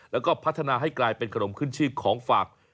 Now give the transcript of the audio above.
แล้วก็พัฒนาให้กลายเป็นขนมขึ้นชื่อของฝาก